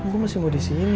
gue masih mau disini